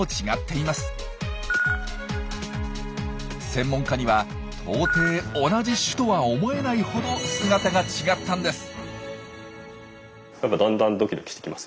専門家には到底同じ種とは思えないほど姿が違ったんです。